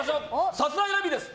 さすらいラビーです。